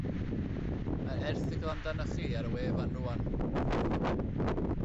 Mae'r erthygl amdanoch chi ar y wefan rŵan.